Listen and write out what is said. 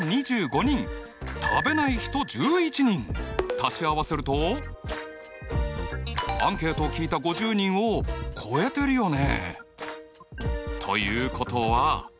足し合わせるとアンケートを聞いた５０人を超えてるよね。